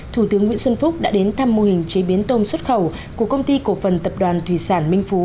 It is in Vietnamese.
thủ tướng nguyễn xuân phúc đã đến thăm mô hình chế biến tôm xuất khẩu của công ty cổ phần tập đoàn thủy sản minh phú